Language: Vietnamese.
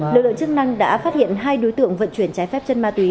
đội đội chức năng đã phát hiện hai đối tượng vận chuyển trái phép chất ma túy